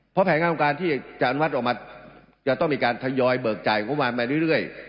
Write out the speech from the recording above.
เพราะแผงงานองค์การที่จะอันวัดออกมาจะต้องมีการทยอยเบิกจ่ายของมันไปเรื่อย